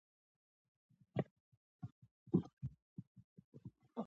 ژوند ولې د ازموینې ځای دی؟